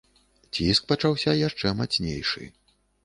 Ціск пачаўся яшчэ мацнейшы.